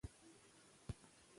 ډېر سوالونه تکراري وو